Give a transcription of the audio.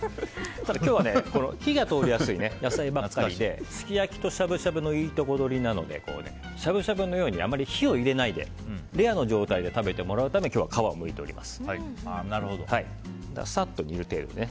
今日は火が通りやすい野菜ばかりですき焼きとしゃぶしゃぶのいいとこ取りなのでしゃぶしゃぶのようにあまり火を入れないでレアの状態で食べてもらうために今日は皮をむいております。